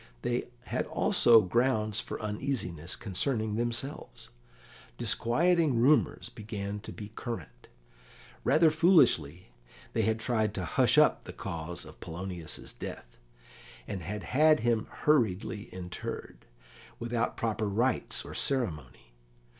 They had also grounds for uneasiness concerning themselves; disquieting rumours began to be current. Rather foolishly, they had tried to hush up the cause of Polonius's death, and had had him hurriedly interred, without proper rites or ceremony.